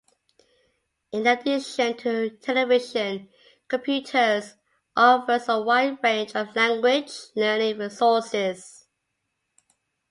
In addition to television, computers offer a wide range of language learning resources.